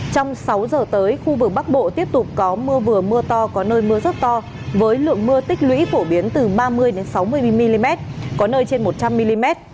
trong sáu giờ tới khu vực bắc bộ tiếp tục có mưa vừa mưa to có nơi mưa rất to với lượng mưa tích lũy phổ biến từ ba mươi sáu mươi mm có nơi trên một trăm linh mm